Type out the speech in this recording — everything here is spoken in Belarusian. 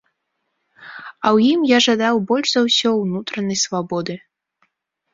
А ў ім я жадаў больш за ўсё унутранай свабоды.